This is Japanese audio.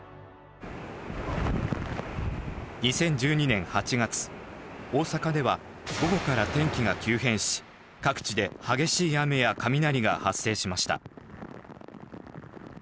２０１２年８月大阪では午後から天気が急変し各地で激しい雨や雷が発生しました。